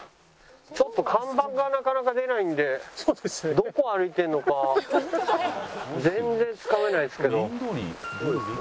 ちょっと看板がなかなか出ないんでどこ歩いてるのか全然つかめないですけど。